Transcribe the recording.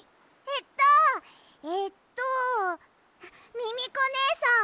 えっとえっとミミコねえさん